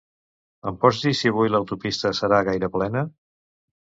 Em pots dir si avui l'autopista serà gaire plena?